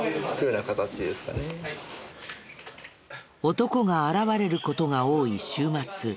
男が現れる事が多い週末。